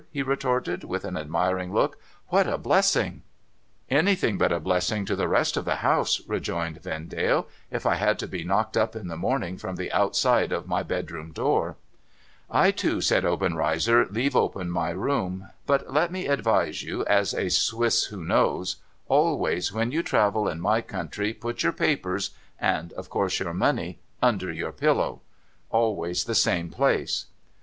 he retorted, with an admiring look. ' What a blessing !' 'Anything but a blessing to the rest of the house,' rejoined Vendale, ' if I had to be knocked up in the morning from the outside of my bedroom door.' ' I, too,' said Obenreizer, ' leave open my room. But let me advise you, as a Swiss who knows : always, when you travel in my country, put your papers — and, of course, your money — under your pillow. Always the same place.'